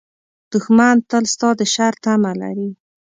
دښمن تل ستا د شر تمه لري